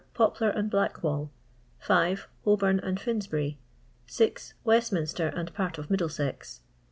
Poplar and lilackwall. Ilolboni and Finsbury. Westminster and part of Middlesex.